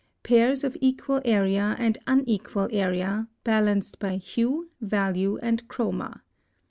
| Pairs of equal area and unequal area „„ Paints. | Balanced by HUE, VALUE, and CHROMA.